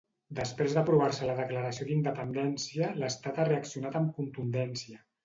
Després d'aprovar-se la declaració d'independència, l'Estat ha reaccionat amb contundència.